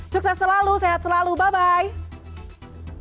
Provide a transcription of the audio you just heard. sukses selalu sehat selalu bye bye